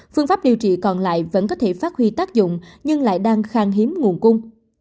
phương pháp điều trị còn lại vẫn có thể phát huy tác dụng nhưng lại đang khang hiếm nguồn cung